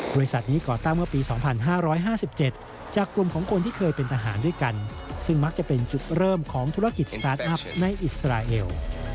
บริษัทนี้ก่อตั้งเมื่อปี๒๕๕๗จากกลุ่มของคนที่เคยเป็นทหารด้วยกันซึ่งมักจะเป็นจุดเริ่มของธุรกิจสตาร์ทอัพในอิสราเอล